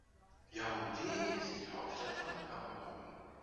Yaoundé ist die Hauptstadt von Kamerun.